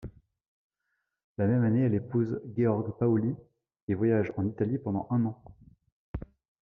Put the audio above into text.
La même année, elle épouse Georg Pauli et voyage en Italie pendant un an.